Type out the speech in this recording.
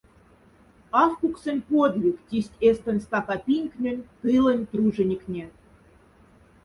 Афкуксонь подвиг тисть эстонь стака пинкнень тылонь труженикне.